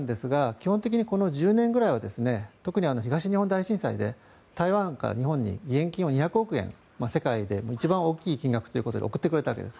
基本的にこの１０年ぐらいは特に東日本大震災で台湾から日本に義援金を２００億円世界で一番大きい金額ということで贈ってくれたわけです。